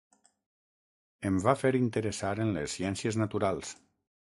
Em va fer interessar en les ciències naturals.